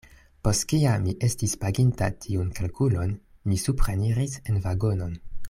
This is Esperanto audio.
Post kiam mi estis paginta tiun kalkulon, mi supreniris en vagonon.